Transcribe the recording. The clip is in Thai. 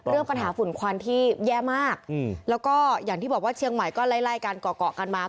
เรื่องปัญหาฝุ่นควันที่แย่มากแล้วก็อย่างที่บอกว่าเชียงใหม่ก็ไล่กันเกาะเกาะกันมา